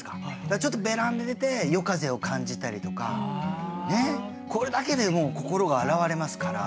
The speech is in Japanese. ちょっとベランダ出て夜風を感じたりとかねっこれだけでもう心が洗われますから。